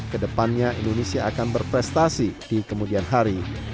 ke depannya indonesia akan berprestasi di kemudian hari